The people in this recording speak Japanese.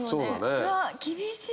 うわあ厳しい。